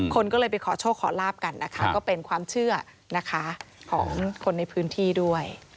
คนก็เลยไปขอโชคขอลาบกันนะคะก็เป็นความเชื่อนะคะของคนในพื้นที่ด้วย